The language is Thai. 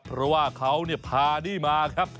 เพราะว่าเขาพานี่มาครับ